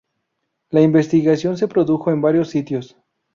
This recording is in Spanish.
La investigación se produjo en varios sitios.